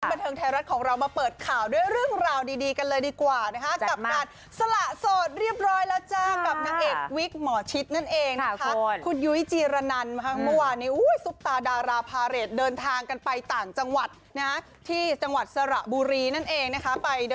นโตะบันเทิงไทยรัฐของเรามาเปิดข่าวด้วยเรื่องราวดีกันเลยดีกว่านะคะ